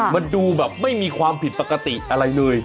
มันดูแบบไม่มีความผิดปกติอะไรเลย